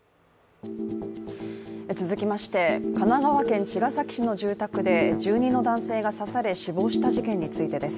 続きまして、神奈川県茅ヶ崎市の住宅で住人の男性が刺され死亡した事件についてです。